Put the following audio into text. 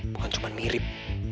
bukan cuma mirip